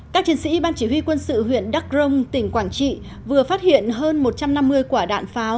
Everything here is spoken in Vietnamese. các chiến sĩ ban chỉ huy quân sự huyện đắk rông tỉnh quảng trị vừa phát hiện hơn một trăm năm mươi quả đạn pháo